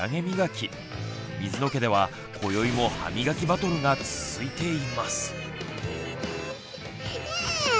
水野家では今宵も歯みがきバトルが続いています。